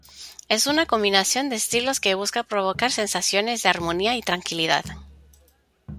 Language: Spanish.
Es una combinación de estilos que busca provocar sensaciones de armonía y tranquilidad.